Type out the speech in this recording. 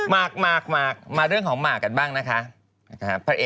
มาร์กมาร์กมาร์กมาเรื่องของมาร์กกันบ้างนะคะ